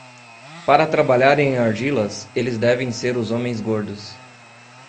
Para trabalhar em argilas, eles devem ser os homens gordos.